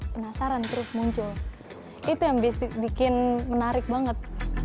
penasaran terus muncul itu yang bikin menarik banget